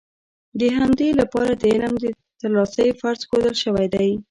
د همدې لپاره د علم ترلاسی فرض ښودل شوی دی.